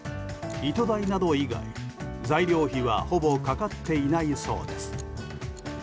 糸代など以外、材料費はほぼかかっていないそうです。